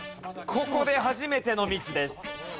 ここで初めてのミスです。